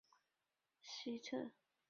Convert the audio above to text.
学生食堂位于荆州楼西侧。